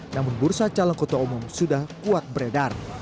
namun bursa calon kota umum sudah kuat beredar